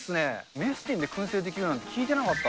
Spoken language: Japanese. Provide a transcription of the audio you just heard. メスティンでくん製出来るなんて聞いてなかった。